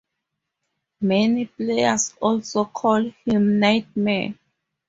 Many players also call him "Nightmare".